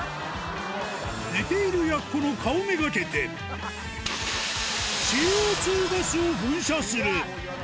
寝ている奴の顔めがけて、ＣＯ２ガスを噴射する。